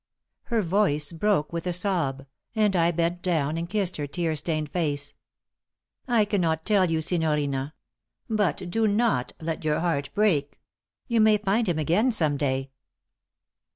Her voice broke with a sob, and I bent down and kissed her tear stained face. "I cannot tell you, signorina. But do not let your heart break. You may find him again some day."